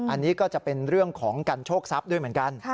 อันนี้ก็จะเป็นเรื่องของการโชคทรัพย์ด้วยเหมือนกัน